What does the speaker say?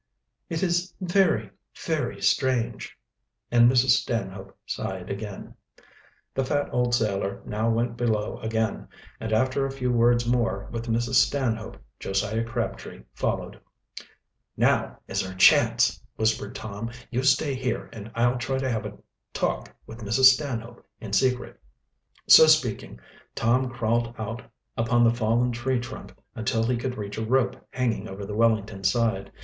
"It is very, very strange," and Mrs. Stanhope sighed again. The fat old sailor now went below again, and after a few words more with Mrs. Stanhope Josiah Crabtree followed. "Now is our chance!" whispered Tom. "You stay here and I'll try to have a talk with Mrs. Stanhope in secret." So speaking, Tom crawled out upon the fallen tree trunk until he could reach a rope hanging over the Wellington's side.